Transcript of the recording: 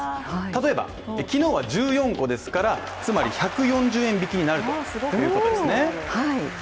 例えば、昨日は１４個ですからつまり１４０円引きになるということですね。